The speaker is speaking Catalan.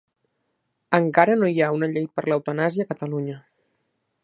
Encara no hi ha una llei per l'eutanàsia a Catalunya